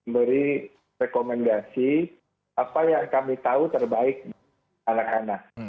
beri rekomendasi apa yang kami tahu terbaik anak anak